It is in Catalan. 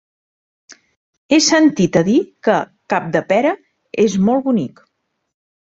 He sentit a dir que Capdepera és molt bonic.